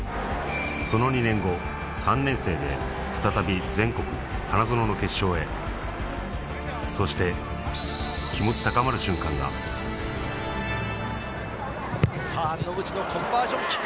その２年後３年生で再び全国花園の決勝へそしてさぁ野口のコンバージョンキック！